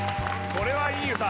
これはいい歌